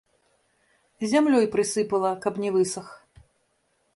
Зямлёй прысыпала, каб не высах.